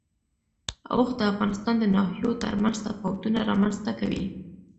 اوښ د افغانستان د ناحیو ترمنځ تفاوتونه رامنځ ته کوي.